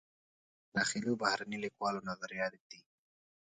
د داخلي و بهرني لیکوالو نظریات ږدي.